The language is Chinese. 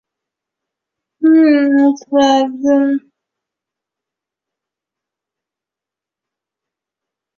联合国人居署的总部皆设在内罗毕。